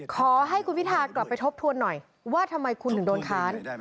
ขอให้คุณพิทากลับไปทบทวนหน่อยว่าทำไมคุณถึงโดนค้าน